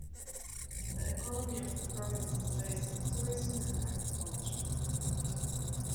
The economy of the province is based on tourism and agriculture.